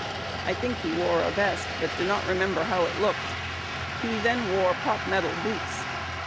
I think he wore a vest, but do not remember how it looked. He then wore pot metal boots.